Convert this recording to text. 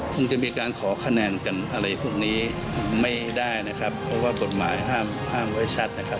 คงจะมีการขอคะแนนกันอะไรพวกนี้ไม่ได้นะครับเพราะว่ากฎหมายห้ามไว้ชัดนะครับ